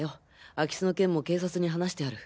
空き巣の件も警察に話してある。